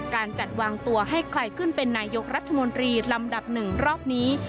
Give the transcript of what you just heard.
การจัดวางตัวให้ใครขึ้นเป็นนายกรัฐมนตรีลำดับหนึ่งรอบนี้